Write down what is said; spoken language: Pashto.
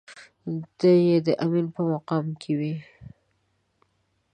دی يې د امين په مقام کې وي.